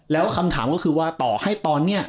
แล้วคำถามก็คือว่าต่อให้ตอนนี้